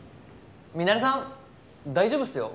ミナレさん大丈夫っすよ。